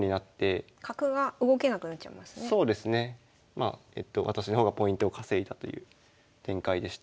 まあ私の方がポイントを稼いだという展開でした。